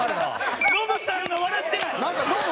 ノブさんが笑ってない！